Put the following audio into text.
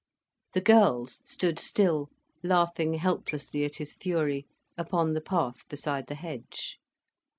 The girls stood still, laughing helplessly at his fury, upon the path beside the hedge.